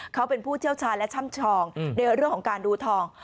เขาเป็นผู้เจ้าชาญและช่ำชองนี่เลยเรื่องของการดูทอง